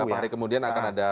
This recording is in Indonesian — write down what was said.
beberapa hari kemudian akan ada